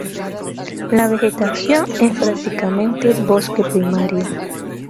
La vegetación es prácticamente bosque primario.